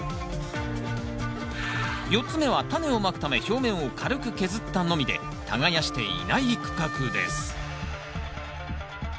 ４つ目はタネをまくため表面を軽く削ったのみで耕していない区画です